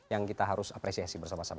yang kita harus apresiasi bersama sama